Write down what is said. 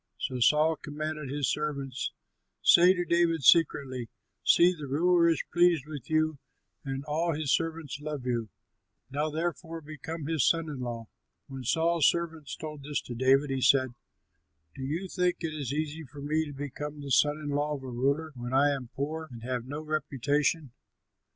So Saul commanded his servants, "Say to David secretly: 'See, the ruler is pleased with you and all his servants love you; now therefore become his son in law.'" When Saul's servants told this to David, he said, "Do you think it easy for me to become the son in law of a ruler when I am poor and have no reputation!"